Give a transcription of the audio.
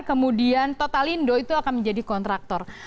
kemudian totalindo itu akan menjadi kontraktor